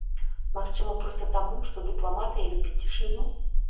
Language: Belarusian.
Магчыма, проста таму, што дыпламатыя любіць цішыню?